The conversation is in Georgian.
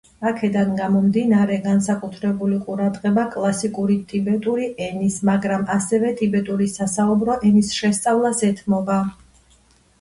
აქედან გამომდინარე განსაკუთრებული ყურადღება კლასიკური ტიბეტური ენის, მაგრამ ასევე ტიბეტური სასაუბრო ენის შესწავლას ეთმობა.